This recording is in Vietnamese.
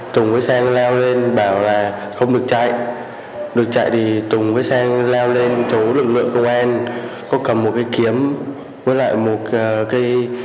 từ đó chúng tôi mới cử